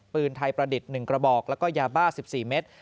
ปืนไทยประดิษฐ์๑กระบอกแล้วก็ยาบ้า๑๔เมตร